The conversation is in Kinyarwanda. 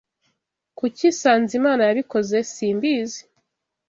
"Kuki Sanzimana yabikoze?" "Simbizi."